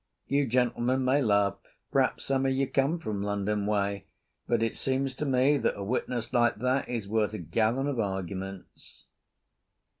You gentlemen may laugh perhaps some of you come from London way but it seems to me that a witness like that is worth a gallon of arguments.